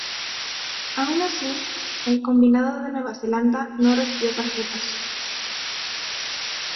Aun así, el combinado de Nueva Zelanda no recibió tarjetas.